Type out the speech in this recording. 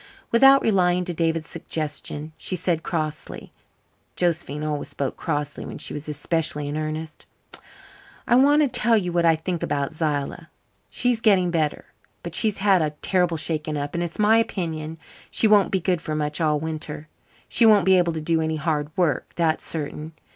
Without replying to David's suggestion she said crossly (Josephine always spoke crossly when she was especially in earnest): "I want to tell you what I think about Zillah. She's getting better, but she's had a terrible shaking up, and it's my opinion that she won't be good for much all winter. She won't be able to do any hard work, that's certain.